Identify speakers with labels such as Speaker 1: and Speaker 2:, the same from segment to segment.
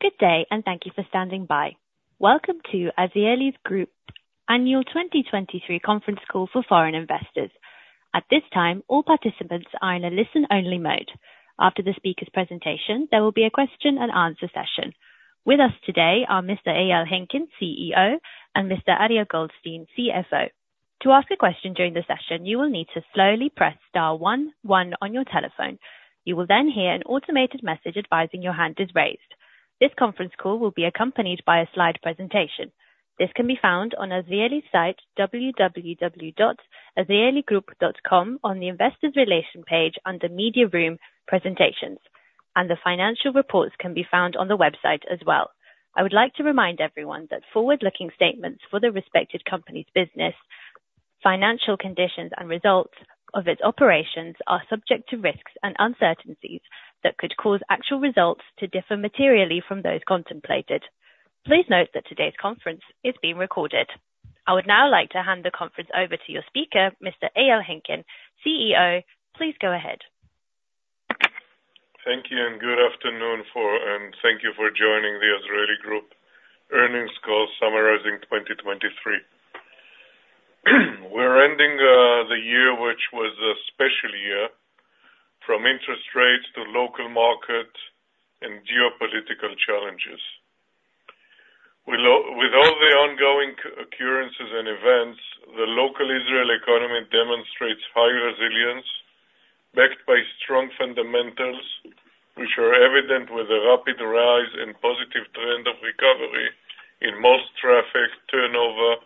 Speaker 1: Good day and thank you for standing by. Welcome to Azrieli Group 2023 Annual Conference Call for Foreign Investors. At this time, all participants are in a listen-only mode. After the speaker's presentation, there will be a question-and-answer session. With us today are Mr. Eyal Henkin, CEO, and Mr. Ariel Goldstein, CFO. To ask a question during the session, you will need to slowly press star 11 on your telephone. You will then hear an automated message advising your hand is raised. This conference call will be accompanied by a slide presentation. This can be found on Azrieli's site www.azrieligroup.com on the Investor Relations page under Media Room Presentations, and the financial reports can be found on the website as well. I would like to remind everyone that forward-looking statements for the respective company's business, financial conditions, and results of its operations are subject to risks and uncertainties that could cause actual results to differ materially from those contemplated. Please note that today's conference is being recorded. I would now like to hand the conference over to your speaker, Mr. Eyal Henkin, CEO. Please go ahead.
Speaker 2: Thank you, and good afternoon, and thank you for joining the Azrieli Group Earnings Call summarizing 2023. We're ending the year, which was a special year, from interest rates to local markets and geopolitical challenges. With all the ongoing occurrences and events, the local Israeli economy demonstrates high resilience backed by strong fundamentals, which are evident with a rapid rise and positive trend of recovery in most traffic, turnover,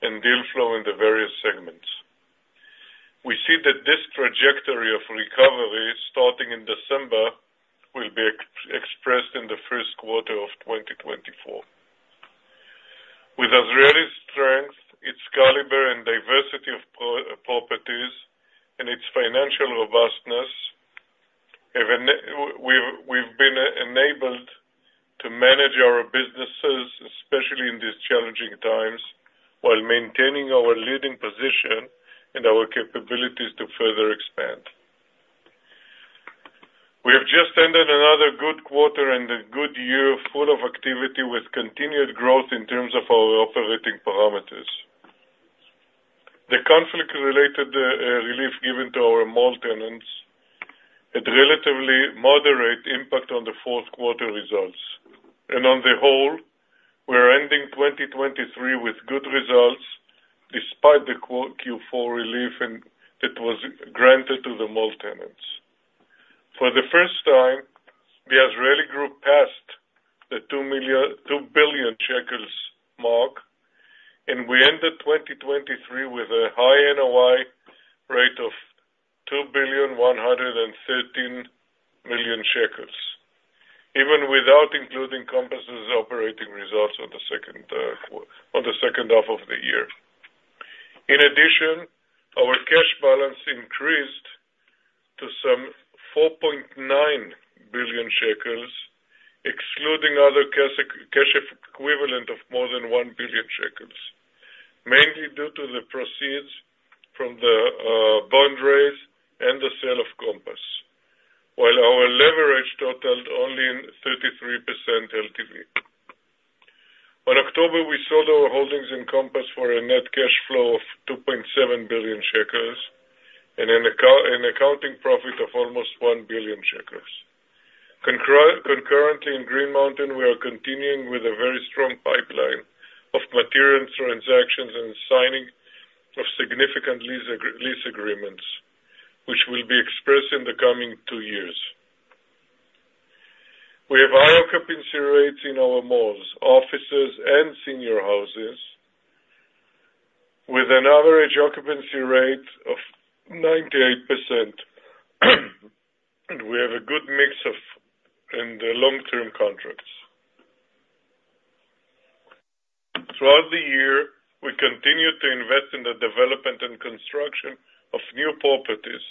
Speaker 2: and deal flow in the various segments. We see that this trajectory of recovery starting in December will be expressed in the first quarter of 2024. With Azrieli's strength, its caliber, and diversity of properties, and its financial robustness, we've been enabled to manage our businesses, especially in these challenging times, while maintaining our leading position and our capabilities to further expand. We have just ended another good quarter and a good year full of activity with continued growth in terms of our operating parameters. The conflict-related relief given to our mall tenants had a relatively moderate impact on the fourth quarter results. On the whole, we're ending 2023 with good results despite the Q4 relief that was granted to the mall tenants. For the first time, the Azrieli Group passed the 2 billion shekels mark, and we ended 2023 with a high NOI rate of 2.113 billion shekels, even without including Compass's operating results on the second half of the year. In addition, our cash balance increased to some 4.9 billion shekels, excluding other cash equivalent of more than 1 billion shekels, mainly due to the proceeds from the bond raise and the sale of Compass, while our leverage totaled only 33% LTV. In October, we sold our holdings in Compass for a net cash flow of 2.7 billion shekels and an accounting profit of almost 1 billion shekels. Concurrently, in Green Mountain, we are continuing with a very strong pipeline of material transactions and signing of significant lease agreements, which will be expressed in the coming two years. We have high occupancy rates in our malls, offices, and senior houses, with an average occupancy rate of 98%. And we have a good mix of long-term contracts. Throughout the year, we continue to invest in the development and construction of new properties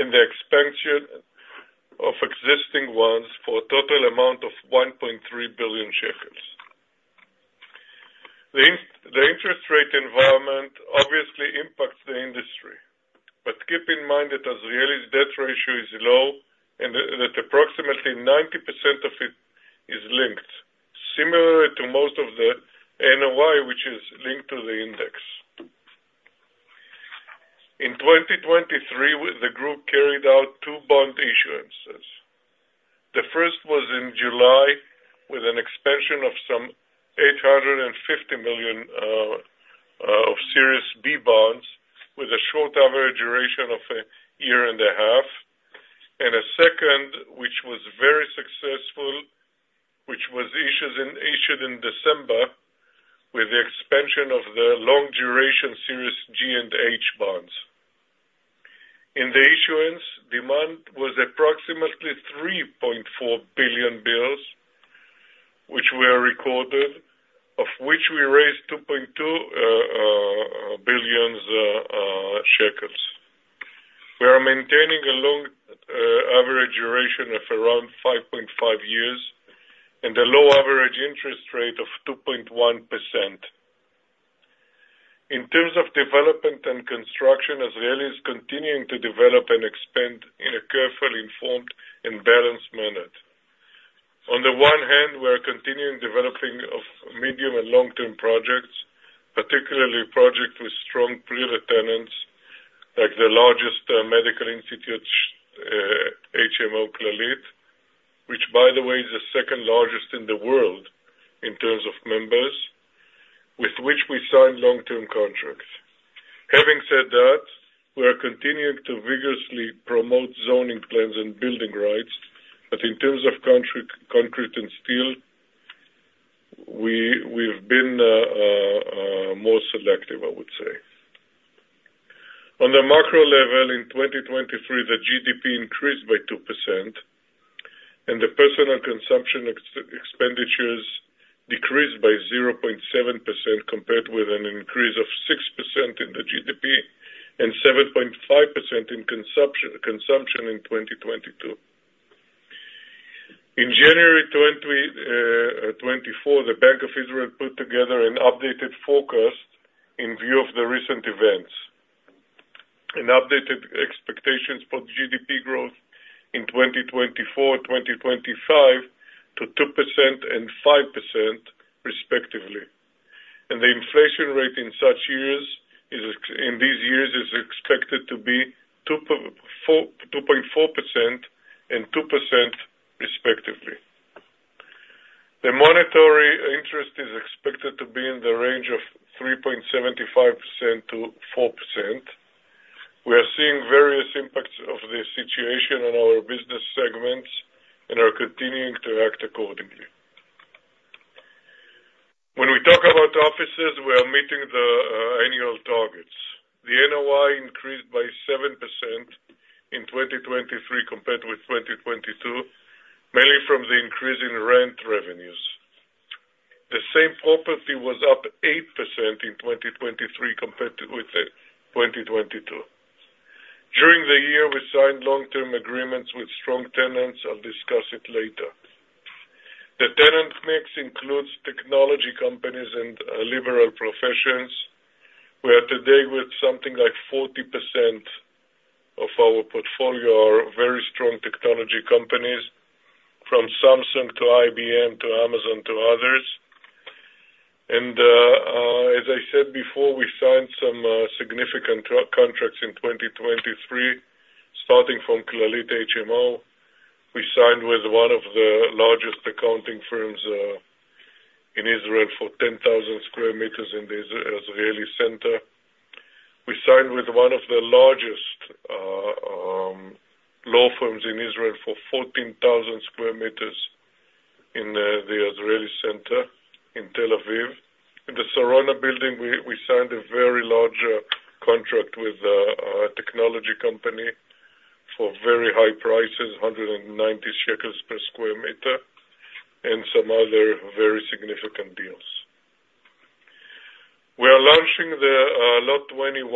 Speaker 2: and the expansion of existing ones for a total amount of 1.3 billion shekels. The interest rate environment obviously impacts the industry, but keep in mind that Azrieli's debt ratio is low and that approximately 90% of it is linked, similar to most of the NOI, which is linked to the index. In 2023, the group carried out two bond issuances. The first was in July with an expansion of some 850 million of Series B bonds with a short average duration of a year and a half, and a second, which was very successful, which was issued in December with the expansion of the long-duration Series G and H bonds. In the issuance, demand was approximately 3.4 billion shekels, which were recorded, of which we raised 2.2 billion shekels. We are maintaining a long average duration of around 5.5 years and a low average interest rate of 2.1%. In terms of development and construction, Azrieli is continuing to develop and expand in a carefully informed and balanced manner. On the one hand, we are continuing developing medium and long-term projects, particularly projects with strong pre-returns like the largest medical institute, HMO Clalit, which, by the way, is the second largest in the world in terms of members, with which we signed long-term contracts. Having said that, we are continuing to vigorously promote zoning plans and building rights, but in terms of concrete and steel, we've been more selective, I would say. On the macro level, in 2023, the GDP increased by 2%, and the personal consumption expenditures decreased by 0.7% compared with an increase of 6% in the GDP and 7.5% in consumption in 2022. In January 2024, the Bank of Israel put together an updated forecast in view of the recent events and updated expectations for GDP growth in 2024 and 2025 to 2% and 5%, respectively. The inflation rate in these years is expected to be 2.4% and 2%, respectively. The monetary interest is expected to be in the range of 3.75%-4%. We are seeing various impacts of the situation on our business segments and are continuing to act accordingly. When we talk about offices, we are meeting the annual targets. The NOI increased by 7% in 2023 compared with 2022, mainly from the increase in rent revenues. The same property was up 8% in 2023 compared with 2022. During the year, we signed long-term agreements with strong tenants. I'll discuss it later. The tenant mix includes technology companies and liberal professions. We are today with something like 40% of our portfolio are very strong technology companies, from Samsung to IBM to Amazon to others. As I said before, we signed some significant contracts in 2023, starting from Clalit HMO. We signed with one of the largest accounting firms in Israel for 10,000 sq m in the Azrieli Center. We signed with one of the largest law firms in Israel for 14,000 sq m in the Azrieli Center in Tel Aviv. In the Sarona building, we signed a very large contract with a technology company for very high prices, 190 shekels per sq m, and some other very significant deals. We are launching the Lot 21,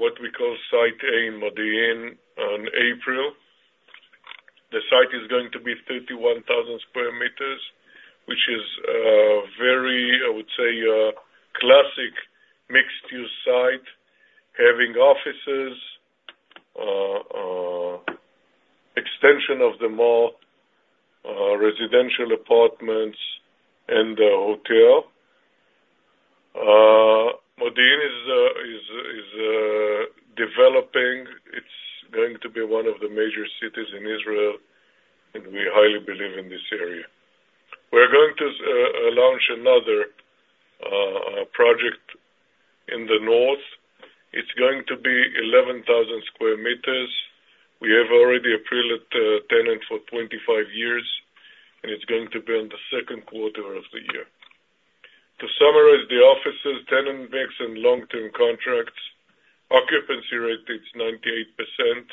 Speaker 2: what we call Site A in Modiin, in April. The site is going to be 31,000 square meters, which is very, I would say, a classic mixed-use site, having offices, extension of the mall, residential apartments, and a hotel. Modiin is developing. It's going to be one of the major cities in Israel, and we highly believe in this area. We're going to launch another project in the north. It's going to be 11,000 square meters. We have already a pre-let tenant for 25 years, and it's going to be on the second quarter of the year. To summarize the offices, tenant mix, and long-term contracts, occupancy rate is 98%.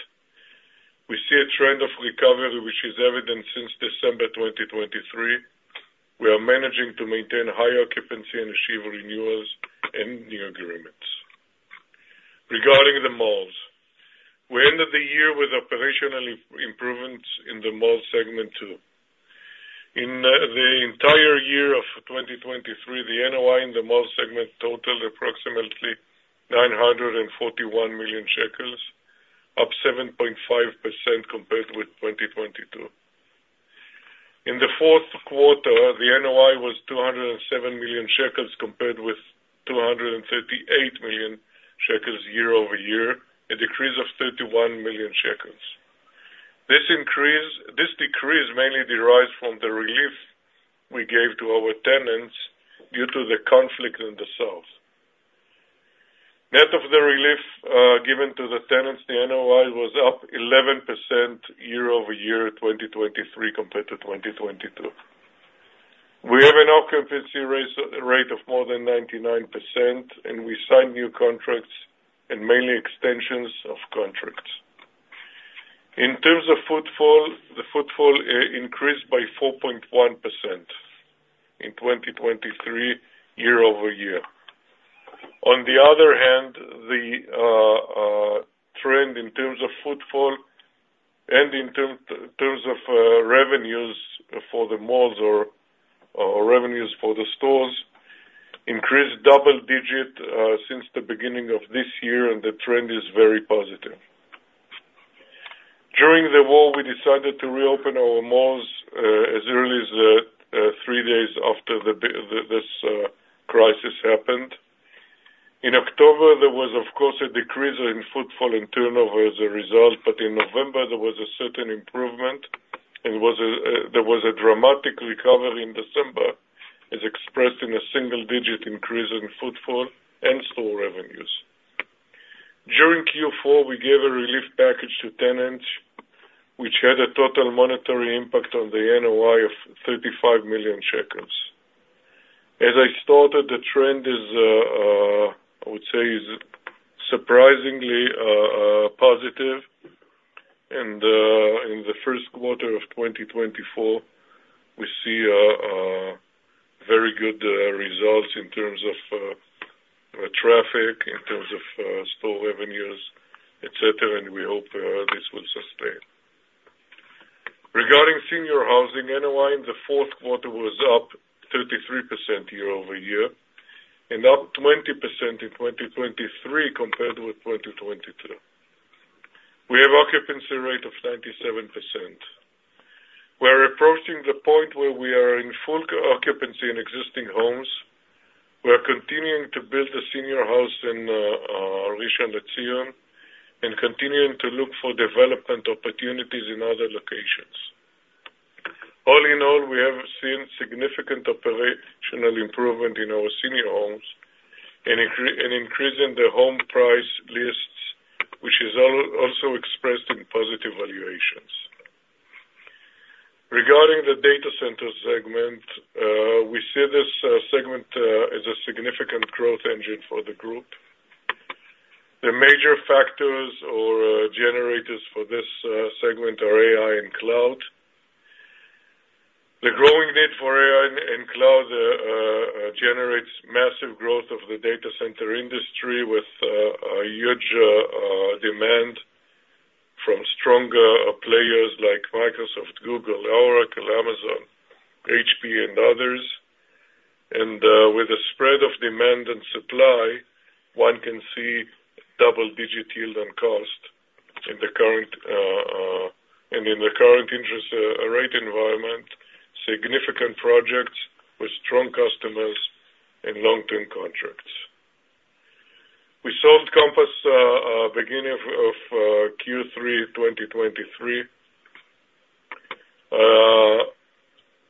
Speaker 2: We see a trend of recovery, which is evident since December 2023. We are managing to maintain high occupancy and achieve renewals and new agreements. Regarding the malls, we ended the year with operational improvements in the mall segment too. In the entire year of 2023, the NOI in the mall segment totaled approximately 941 million shekels, up 7.5% compared with 2022. In the fourth quarter, the NOI was 207 million shekels compared with 238 million shekels year-over-year, a decrease of 31 million shekels. This decrease mainly derives from the relief we gave to our tenants due to the conflict in the south. Net of the relief given to the tenants, the NOI was up 11% year-over-year 2023 compared to 2022. We have an occupancy rate of more than 99%, and we signed new contracts and mainly extensions of contracts. In terms of footfall, the footfall increased by 4.1% in 2023 year-over-year. On the other hand, the trend in terms of footfall and in terms of revenues for the malls or revenues for the stores increased double-digit since the beginning of this year, and the trend is very positive. During the war, we decided to reopen our malls as early as 3 days after this crisis happened. In October, there was, of course, a decrease in footfall and turnover as a result, but in November, there was a certain improvement, and there was a dramatic recovery in December as expressed in a single-digit increase in footfall and store revenues. During Q4, we gave a relief package to tenants, which had a total monetary impact on the NOI of 35 million shekels. As I started, the trend is, I would say, surprisingly positive. In the first quarter of 2024, we see very good results in terms of traffic, in terms of store revenues, etc., and we hope this will sustain. Regarding senior housing, NOI in the fourth quarter was up 33% year-over-year and up 20% in 2023 compared with 2022. We have an occupancy rate of 97%. We are approaching the point where we are in full occupancy in existing homes. We are continuing to build a senior house in Rishon LeZion and continuing to look for development opportunities in other locations. All in all, we have seen significant operational improvement in our senior homes and increase in the home price lists, which is also expressed in positive valuations. Regarding the data center segment, we see this segment as a significant growth engine for the group. The major factors or generators for this segment are AI and cloud. The growing need for AI and cloud generates massive growth of the data center industry with huge demand from stronger players like Microsoft, Google, Oracle, Amazon, HP, and others. With a spread of demand and supply, one can see double-digit yield on cost in the current interest rate environment, significant projects with strong customers, and long-term contracts. We sold Compass beginning of Q3 2023.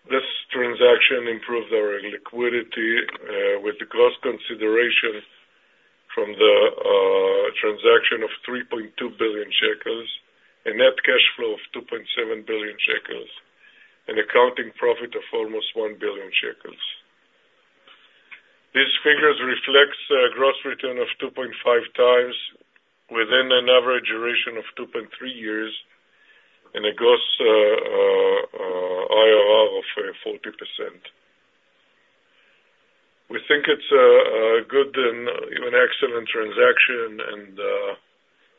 Speaker 2: This transaction improved our liquidity with the gross consideration from the transaction of 3.2 billion shekels, a net cash flow of 2.7 billion shekels, and accounting profit of almost 1 billion shekels. These figures reflect a gross return of 2.5x within an average duration of 2.3 years and a gross IRR of 40%. We think it's a good and even excellent transaction, and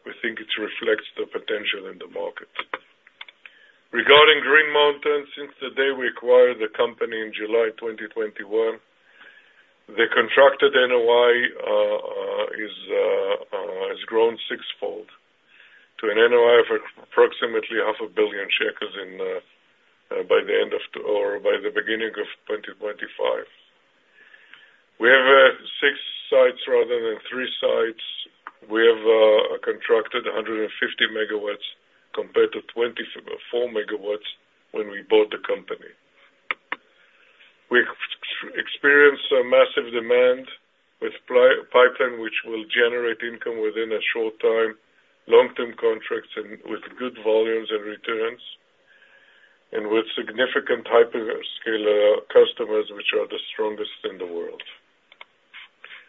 Speaker 2: we think it reflects the potential in the market. Regarding Green Mountain, since the day we acquired the company in July 2021, the contracted NOI has grown sixfold to an NOI of approximately 500 million shekels by the end of or by the beginning of 2025. We have six sites rather than three sites. We have contracted 150 megawatts compared to 24 megawatts when we bought the company. We experience massive demand with pipeline, which will generate income within a short time, long-term contracts with good volumes and returns, and with significant hyperscale customers, which are the strongest in the world.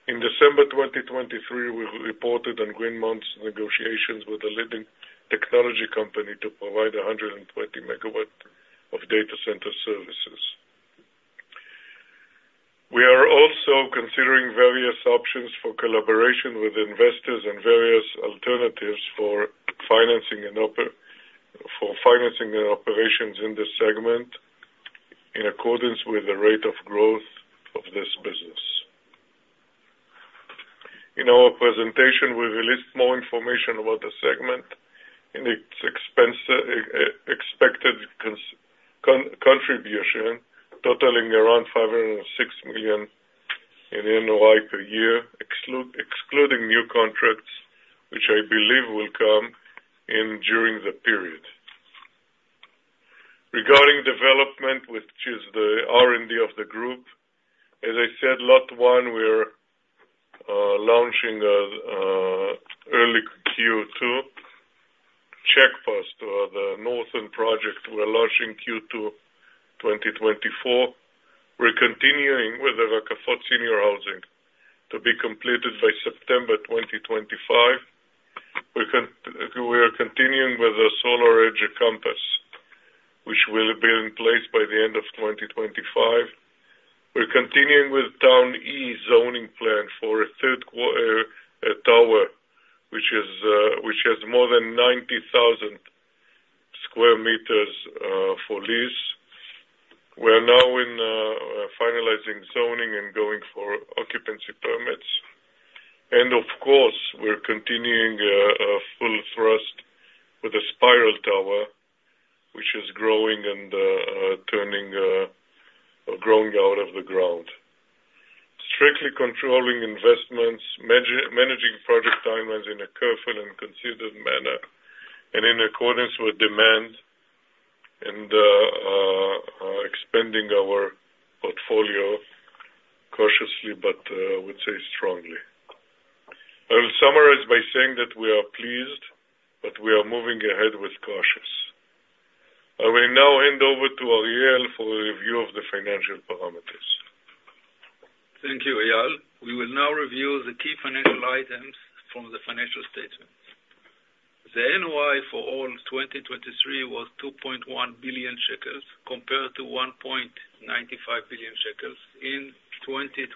Speaker 2: In December 2023, we reported on Green Mountain's negotiations with a leading technology company to provide 120 megawatts of data center services. We are also considering various options for collaboration with investors and various alternatives for financing and operations in this segment in accordance with the rate of growth of this business. In our presentation, we released more information about the segment and its expected contribution, totaling around 506 million in NOI per year, excluding new contracts, which I believe will come during the period. Regarding development, which is the R&D of the group, as I said, Lot 1, we are launching early Q2. Check Post, the northern project, we are launching Q2 2024. We're continuing with the Rakafot senior housing to be completed by September 2025. We are continuing with the SolarEdge Campus, which will be in place by the end of 2025. We're continuing with Town E zoning plan for a tower, which has more than 90,000 square meters for lease. We are now finalizing zoning and going for occupancy permits. And of course, we're continuing full thrust with a Spiral Tower, which is growing and growing out of the ground. Strictly controlling investments, managing project timelines in a careful and considered manner and in accordance with demand, and expanding our portfolio cautiously but would say strongly. I will summarize by saying that we are pleased, but we are moving ahead with cautious. I will now hand over to Ariel for a review of the financial parameters.
Speaker 3: Thank you, Ariel. We will now review the key financial items from the financial statements. The NOI for all 2023 was 2.1 billion shekels compared to 1.95 billion shekels in 2022,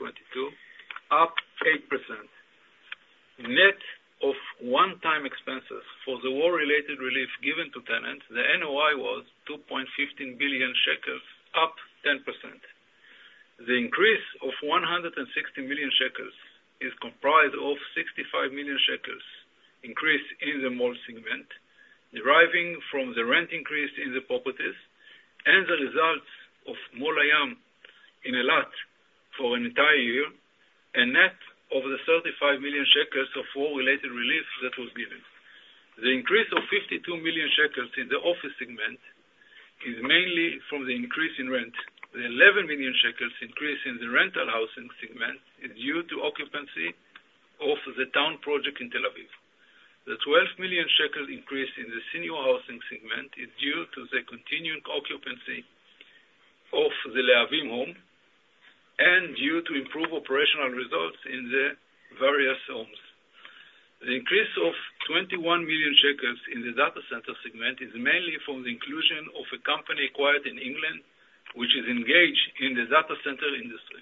Speaker 3: up 8%. Net of one-time expenses for the war-related relief given to tenants, the NOI was 2.15 billion shekels, up 10%. The increase of 160 million shekels is comprised of 65 million shekels increase in the mall segment deriving from the rent increase in the properties and the results of Mul Hayam in Eilat for an entire year and net of the 35 million shekels of war-related relief that was given. The increase of 52 million shekels in the office segment is mainly from the increase in rent. The 11 million shekels increase in the rental housing segment is due to occupancy of the Town project in Tel Aviv. The 12 million shekel increase in the senior housing segment is due to the continuing occupancy of the Lehavim home and due to improved operational results in the various homes. The increase of 21 million shekels in the data center segment is mainly from the inclusion of a company acquired in England, which is engaged in the data center industry.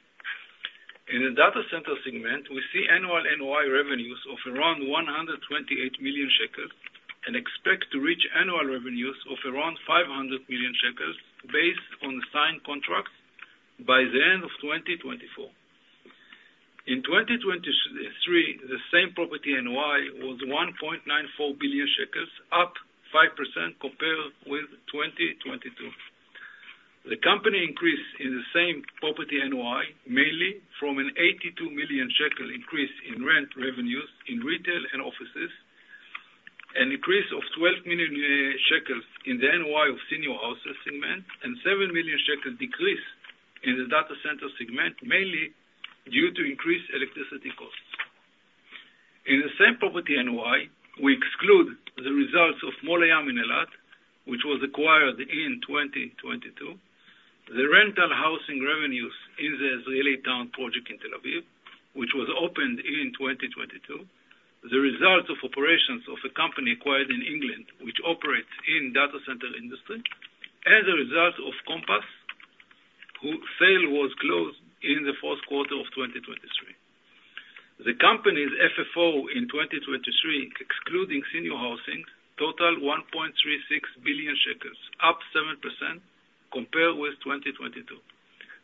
Speaker 3: In the data center segment, we see annual NOI revenues of around 128 million shekels and expect to reach annual revenues of around 500 million shekels based on signed contracts by the end of 2024. In 2023, the same property NOI was 1.94 billion shekels, up 5% compared with 2022. The company increase in the same property NOI mainly from an 82 million shekel increase in rent revenues in retail and offices, an increase of 12 million shekels in the NOI of senior houses segment, and 7 million shekels decrease in the data center segment mainly due to increased electricity costs. In the same property NOI, we exclude the results of Mul Hayam in Eilat, which was acquired in 2022, the rental housing revenues in the Azrieli Town project in Tel Aviv, which was opened in 2022, the results of operations of a company acquired in England, which operates in data center industry, and the results of Compass, whose sale was closed in the fourth quarter of 2023. The company's FFO in 2023, excluding senior housing, totaled 1.36 billion shekels, up 7% compared with 2022.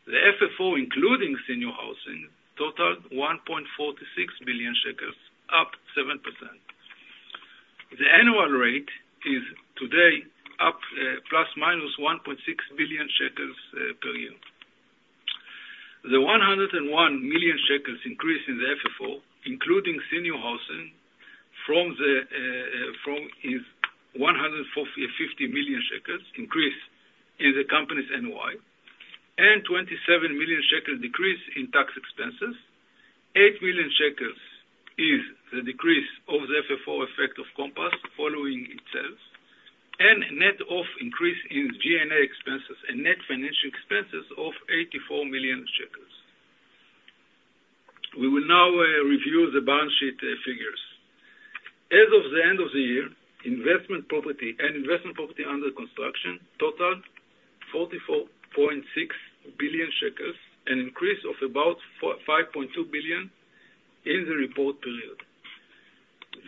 Speaker 3: The FFO, including senior housing, totaled 1.46 billion shekels, up 7%. The annual rate is today up ±1.6 billion shekels per year. The 101 million shekels increase in the FFO, including senior housing, is 150 million shekels increase in the company's NOI and 27 million shekels decrease in tax expenses. 8 million shekels is the decrease of the FFO effect of Compass following itself and net of increase in G&A expenses and net financial expenses of 84 million shekels. We will now review the balance sheet figures. As of the end of the year, investment property and investment property under construction totaled 44.6 billion shekels, an increase of about 5.2 billion in the report period.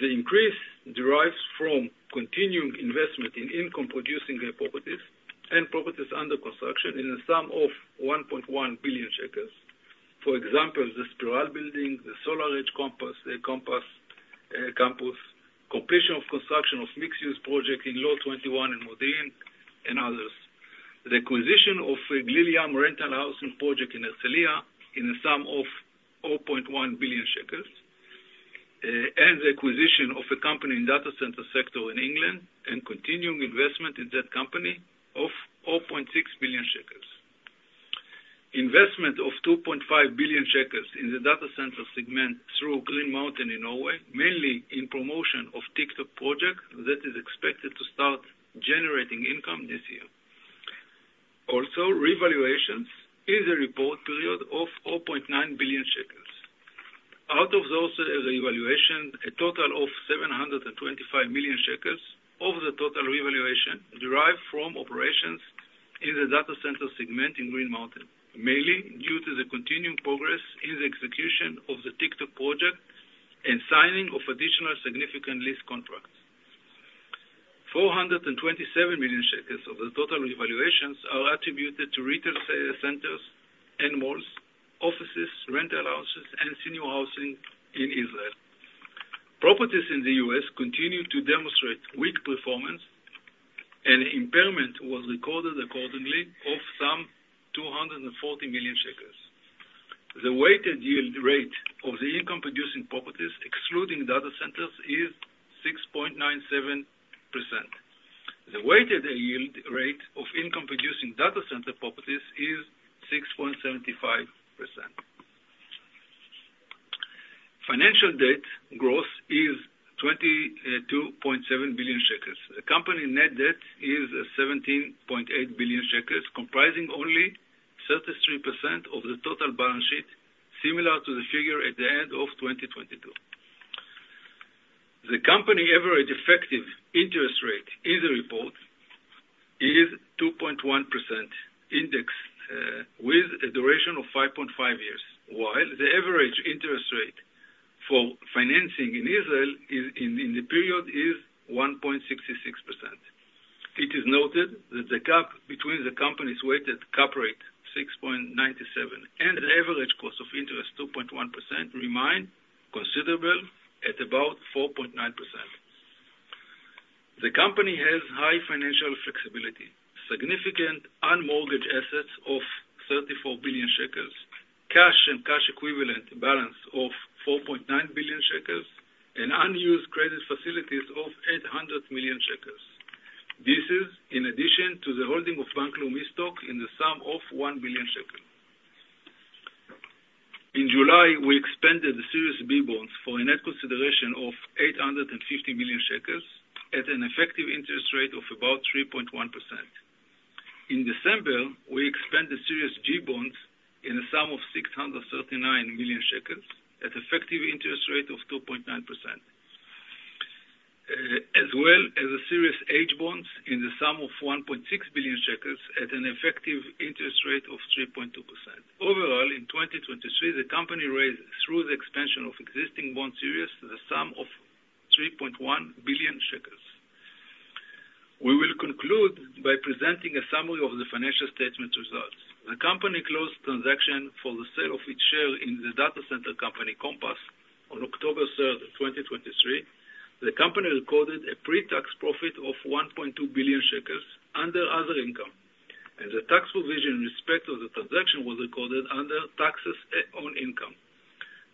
Speaker 3: The increase derives from continuing investment in income-producing properties and properties under construction in the sum of 1.1 billion shekels. For example, the Spiral Building, the SolarEdge campus, Compass Campus, completion of construction of mixed-use project in Lot 21 in Modiin and others, the acquisition of a Glil Yam rental housing project in Herzliya in the sum of 0.1 billion shekels, and the acquisition of a company in data center sector in England and continuing investment in that company of 0.6 billion shekels. Investment of 2.5 billion shekels in the data center segment through Green Mountain in Norway, mainly in promotion of TikTok project that is expected to start generating income this year. Also, revaluations in the report period of 0.9 billion shekels. Out of those revaluations, a total of 725 million shekels of the total revaluation derived from operations in the data center segment in Green Mountain, mainly due to the continuing progress in the execution of the TikTok project and signing of additional significant lease contracts. 427 million shekels of the total revaluations are attributed to retail centers and malls, offices, rental houses, and senior housing in Israel. Properties in the U.S. continue to demonstrate weak performance, and impairment was recorded accordingly of some 240 million shekels. The weighted yield rate of the income-producing properties, excluding data centers, is 6.97%. The weighted yield rate of income-producing data center properties is 6.75%. Financial debt growth is 22.7 billion shekels. The company net debt is 17.8 billion shekels, comprising only 33% of the total balance sheet, similar to the figure at the end of 2022. The company average effective interest rate in the report is 2.1% index with a duration of 5.5 years, while the average interest rate for financing in Israel in the period is 1.66%. It is noted that the gap between the company's weighted cap rate, 6.97%, and the average cost of interest, 2.1%, remained considerable at about 4.9%. The company has high financial flexibility, significant unmortgaged assets of 34 billion shekels, cash and cash equivalent balance of 4.9 billion shekels, and unused credit facilities of 800 million shekels. This is in addition to the holding of Bank Leumi stock in the sum of 1 billion shekels. In July, we expanded the Series B bonds for a net consideration of 850 million shekels at an effective interest rate of about 3.1%. In December, we expanded Series G bonds in the sum of 639 million shekels at an effective interest rate of 2.9%, as well as the Series H bonds in the sum of 1.6 billion shekels at an effective interest rate of 3.2%. Overall, in 2023, the company raised, through the expansion of existing bond series, the sum of 3.1 billion shekels. We will conclude by presenting a summary of the financial statements results. The company closed transaction for the sale of its share in the data center company Compass on October 3rd, 2023. The company recorded a pre-tax profit of 1.2 billion shekels under other income, and the tax provision in respect of the transaction was recorded under taxes on income.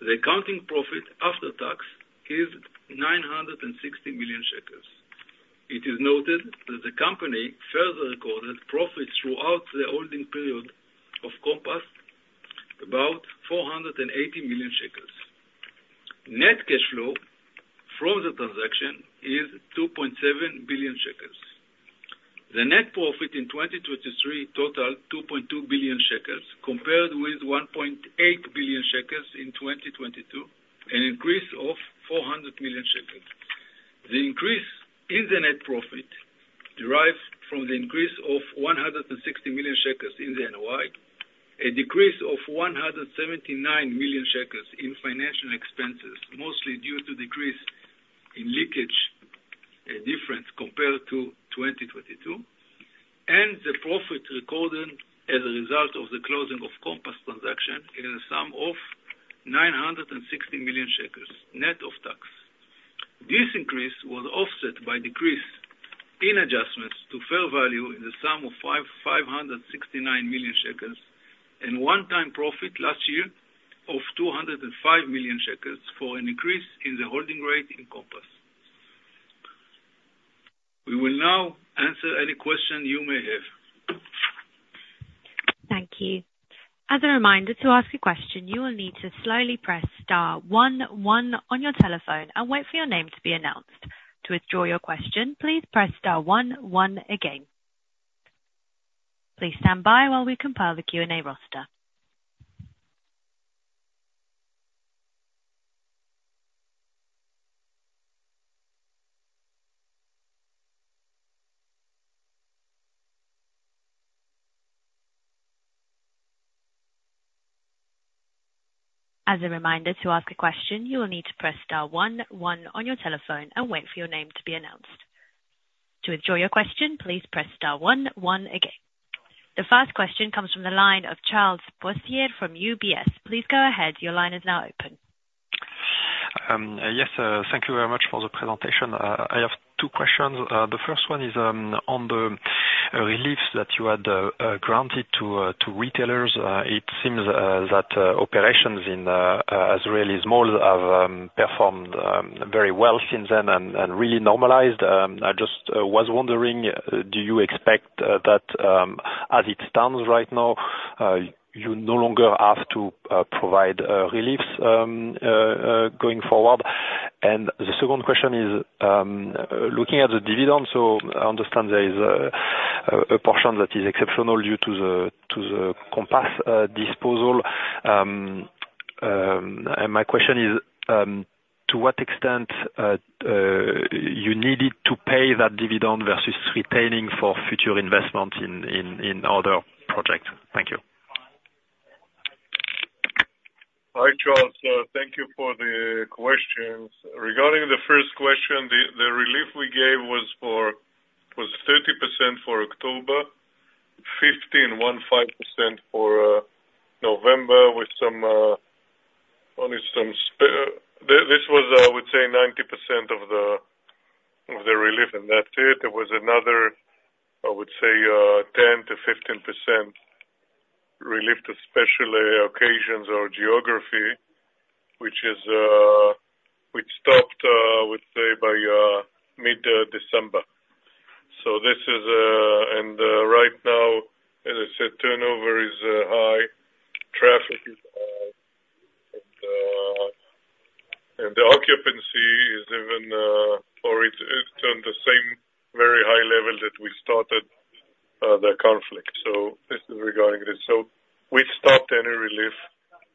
Speaker 3: The accounting profit after tax is 960 million shekels. It is noted that the company further recorded profits throughout the holding period of Compass, about 480 million shekels. Net cash flow from the transaction is 2.7 billion shekels. The net profit in 2023 totaled 2.2 billion shekels compared with 1.8 billion shekels in 2022, an increase of 400 million shekels. The increase in the net profit derived from the increase of 160 million shekels in the NOI, a decrease of 179 million shekels in financial expenses, mostly due to decrease in linkage difference compared to 2022, and the profit recorded as a result of the closing of Compass transaction in the sum of 960 million shekels net of tax. This increase was offset by decrease in adjustments to fair value in the sum of 569 million shekels and one-time profit last year of 205 million shekels for an increase in the holding rate in Compass. We will now answer any question you may have.
Speaker 1: Thank you. As a reminder to ask your question, you will need to slowly press star 11 on your telephone and wait for your name to be announced. To withdraw your question, please press star 11 again. Please stand by while we compile the Q&A roster. As a reminder to ask your question, you will need to press star 11 on your telephone and wait for your name to be announced. To withdraw your question, please press star 11 again. The first question comes from the line of Charles Boissier from UBS. Please go ahead. Your line is now open.
Speaker 4: Yes. Thank you very much for the presentation. I have two questions. The first one is on the reliefs that you had granted to retailers. It seems that operations in Azrieli's malls have performed very well since then and really normalized. I just was wondering, do you expect that as it stands right now, you no longer have to provide reliefs going forward? And the second question is, looking at the dividend, so I understand there is a portion that is exceptional due to the Compass disposal. And my question is, to what extent you needed to pay that dividend versus retaining for future investments in other projects? Thank you.
Speaker 2: Hi, Charles. Thank you for the questions. Regarding the first question, the relief we gave was 30% for October, 15, 15% for November, with only some this was, I would say, 90% of the relief, and that's it. There was another, I would say, 10%-15% relief, especially occasions or geography, which stopped, I would say, by mid-December. So this is and right now, as I said, turnover is high, traffic is high, and the occupancy is even or it's on the same very high level that we started the conflict. So this is regarding this. So we stopped any relief,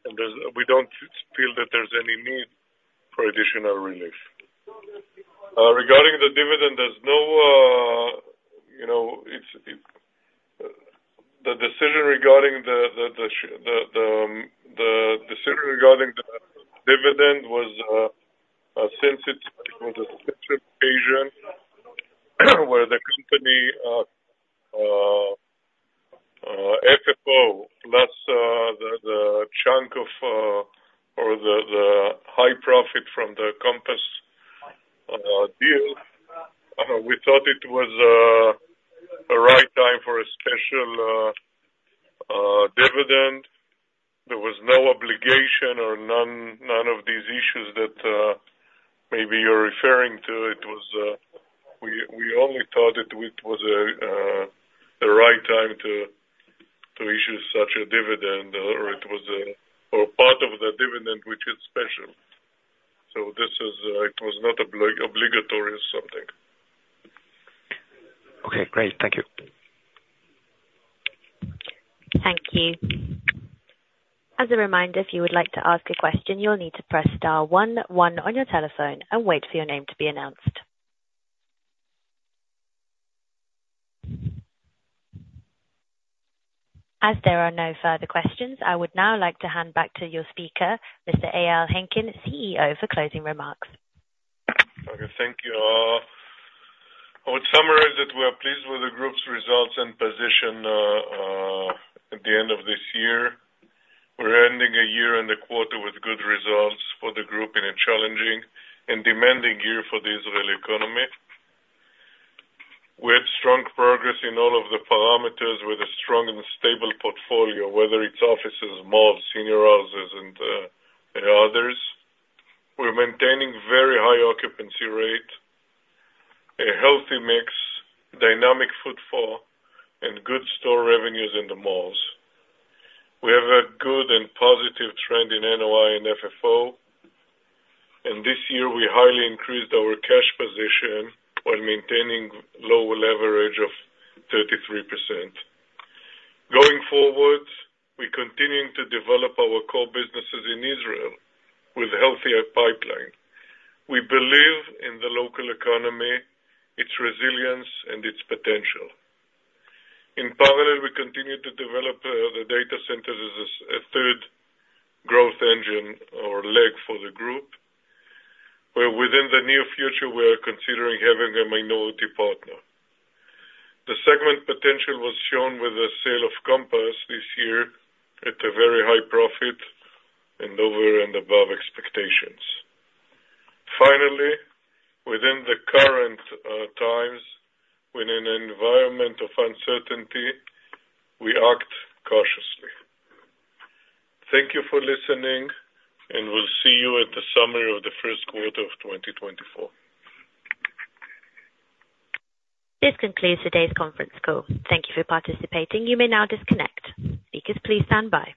Speaker 2: and we don't feel that there's any need for additional relief. Regarding the dividend, there's no, the decision regarding the dividend was since it was a special occasion where the company FFO plus the chunk of or the high profit from the Compass deal, we thought it was a right time for a special dividend. There was no obligation or none of these issues that maybe you're referring to. We only thought it was a right time to issue such a dividend or it was part of the dividend, which is special. So it was not obligatory or something.
Speaker 4: Okay. Great. Thank you.
Speaker 1: Thank you. As a reminder, if you would like to ask a question, you'll need to press star 11 on your telephone and wait for your name to be announced. As there are no further questions, I would now like to hand back to your speaker, Mr. Eyal Henkin, CEO, for closing remarks.
Speaker 2: Okay. Thank you. I would summarize that we are pleased with the group's results and position at the end of this year. We're ending a year and a quarter with good results for the group in a challenging and demanding year for the Israeli economy. We had strong progress in all of the parameters with a strong and stable portfolio, whether it's offices, malls, senior houses, and others. We're maintaining very high occupancy rate, a healthy mix, dynamic footfall, and good store revenues in the malls. We have a good and positive trend in NOI and FFO. This year, we highly increased our cash position while maintaining low leverage of 33%. Going forward, we continue to develop our core businesses in Israel with a healthy pipeline. We believe in the local economy, its resilience, and its potential. In parallel, we continue to develop the data centers as a third growth engine or leg for the group, where within the near future, we are considering having a minority partner. The segment potential was shown with the sale of Compass this year at a very high profit and over and above expectations. Finally, within the current times, within an environment of uncertainty, we act cautiously. Thank you for listening, and we'll see you at the summary of the first quarter of 2024.
Speaker 1: This concludes today's conference call. Thank you for participating. You may now disconnect. Speakers, please stand by.